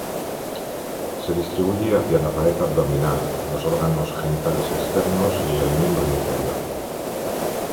Se distribuye hacia la pared abdominal, los órganos genitales externos y el miembro inferior.